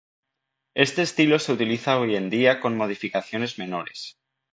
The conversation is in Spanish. Este estilo se utiliza hoy en día con modificaciones menores.